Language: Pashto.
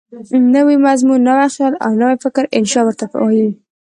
نوی مضمون، نوی خیال او نوی فکر انشأ ورته وايي.